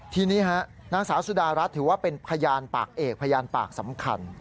ทีนี้นางสาวสุดารัฐถือว่าเป็นพยานปากเอกพยานปากสำคัญ